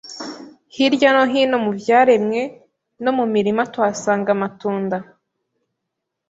Hirya no hino mu byaremwe no mu mirima tuhasanga amatunda